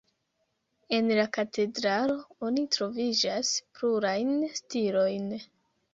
En la katedralo oni troviĝas plurajn stilojn.